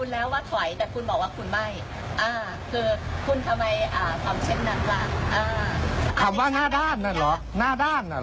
แล้วใช้คำว่าแป๊บนึงนะครับขอแป๊บนึง